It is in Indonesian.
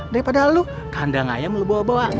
daripada lu kandang ayam lu bawa bawa